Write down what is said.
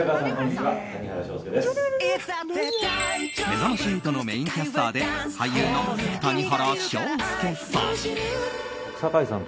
「めざまし８」のメインキャスターで俳優の谷原章介さん。